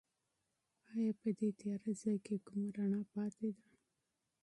ایا په دې تیاره ځای کې کومه رڼا پاتې ده؟